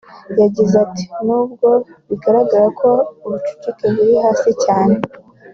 yagize ati “N’ubwo bigaragara ko ubucucike buri hasi cyane